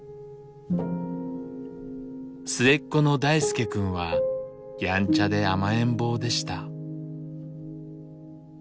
末っ子の大輔くんはやんちゃで甘えん坊でした。